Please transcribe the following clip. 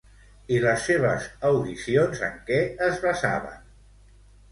I les seves audicions en què es basaven?